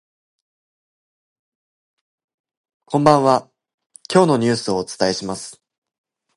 こんばんは、今日のニュースをお伝えします。